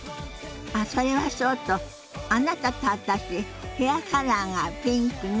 あっそれはそうとあなたと私ヘアカラーがピンクね。